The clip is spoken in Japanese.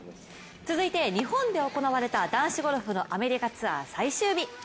続いて日本で行われた男子ゴルフのアメリカツアー最終日。